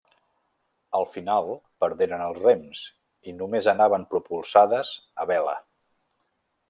Al final perderen els rems i només anaven propulsades a vela.